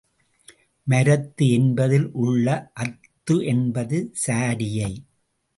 மரத்து என்பதில் உள்ள அத்து என்பது சாரியை.